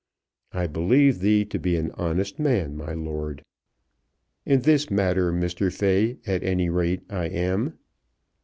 I believe thee to be an honest man, my lord." "In this matter, Mr. Fay, at any rate, I am."